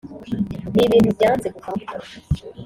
ni ibintu byanze kumvamo